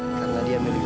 karena dia milik gue